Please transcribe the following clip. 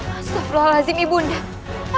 astagfirullahaladzim ibu dinda